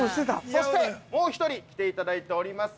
◆そして、もう一人来ていただいております。